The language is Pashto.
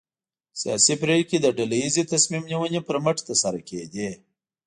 سیاسي پرېکړې د ډله ییزې تصمیم نیونې پر مټ ترسره کېدې.